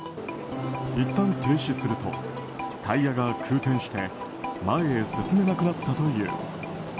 一旦停止するとタイヤが空転して前へ進めなくなったという。